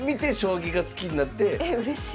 えうれしい。